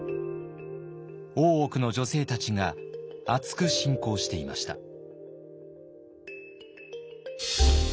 大奥の女性たちがあつく信仰していました。